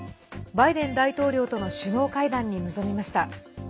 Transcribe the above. バイデン大統領との首脳会談に臨みました。